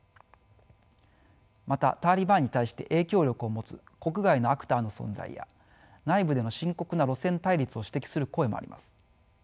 またタリバンに対して影響力を持つ国外のアクターの存在や内部での深刻な路線対立を指摘する声もあります。